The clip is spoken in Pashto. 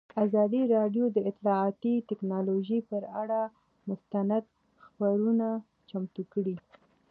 ازادي راډیو د اطلاعاتی تکنالوژي پر اړه مستند خپرونه چمتو کړې.